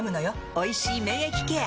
「おいしい免疫ケア」！